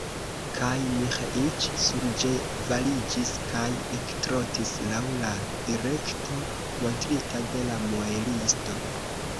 Kaj Miĥeiĉ surĉevaliĝis kaj ektrotis laŭ la direkto, montrita de la muelisto.